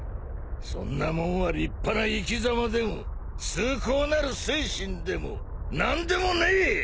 そんなもんは立派な生きざまでも崇高なる精神でも何でもねえ！